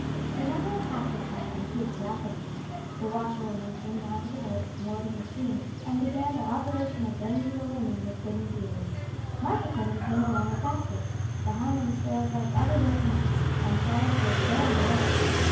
The number of passers by increased rapidly. The washerwomen came down to the boats moored in the stream and began their operation of banging the linen with wooden beaters. Market women came along with baskets, the hum and stir of life everywhere commenced, and Paris was fairly awake.